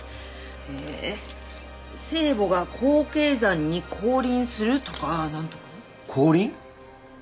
えー聖母が光鶏山に降臨するとかなんとか。後輪？